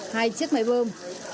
hai chiếc máy bơm